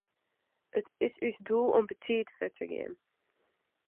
It is ús doel om betiid fuort te gean.